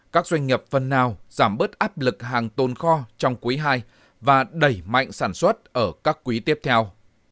các doanh nghiệp phần nào giảm bớt áp lực hàng tồn kho trong quý ii và đẩy mạnh sản xuất ở các quý tiếp theo